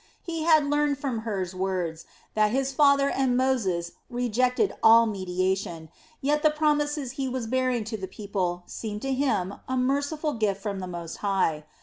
He had learned from Hur's words that his father and Moses rejected all mediation, yet the promises he was bearing to the people seemed to him a merciful gift from the Most High.